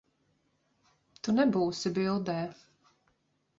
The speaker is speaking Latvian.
Tu nebūsi bildē.